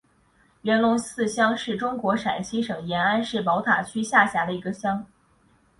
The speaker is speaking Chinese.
元龙寺乡是中国陕西省延安市宝塔区下辖的一个乡。